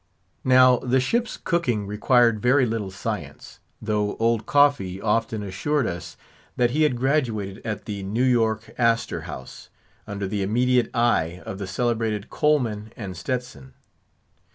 Now the ship's cooking required very little science, though old Coffee often assured us that he had graduated at the New York Astor House, under the immediate eye of the celebrated Coleman and Stetson.